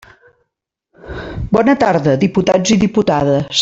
Bona tarda, diputats i diputades.